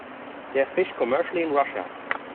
They are fished commercially in Russia.